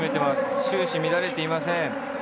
終始乱れていません。